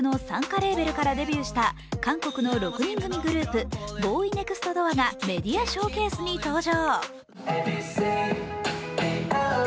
レーベルからデビューした韓国の６人組グループＢＯＸＮＥＸＴＤＯＯＲがメディアショーケースに登場。